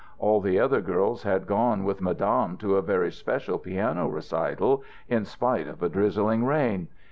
All the other girls had gone with Madame to a very special piano recital, in spite of a drizzling rain.